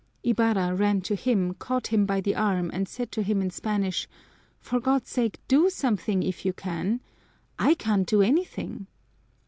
Ibarra ran to him, caught him by the arm, and said to him in Spanish: "For God's sake, do something, if you can! I can't do anything."